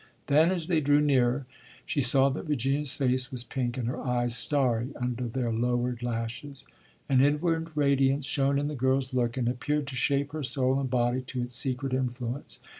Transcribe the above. Then, as they drew nearer, she saw that Virginia's face was pink and her eyes starry under their lowered lashes. An inward radiance shone in the girl's look, and appeared to shape her soul and body to its secret influence.